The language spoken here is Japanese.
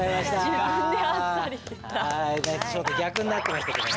ちょっと逆になってますけども。